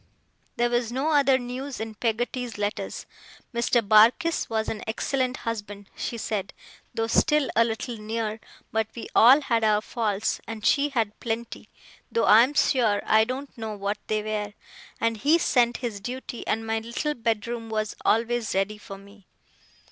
There was no other news in Peggotty's letters. Mr. Barkis was an excellent husband, she said, though still a little near; but we all had our faults, and she had plenty (though I am sure I don't know what they were); and he sent his duty, and my little bedroom was always ready for me.